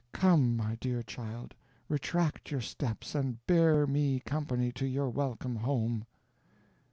Come, my dear child, retract your steps, and bear me company to your welcome home."